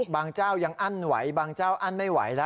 เจ้ายังอั้นไหวบางเจ้าอั้นไม่ไหวแล้ว